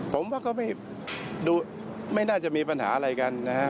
ผมว่าก็ไม่ดูไม่น่าจะมีปัญหาอะไรกันนะครับ